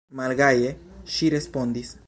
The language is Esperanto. Malgaje ŝi respondis: